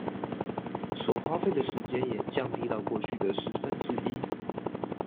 所花費的時間也降低到過去的十分之一